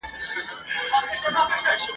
د زړه صبر او اجرونه غواړم !.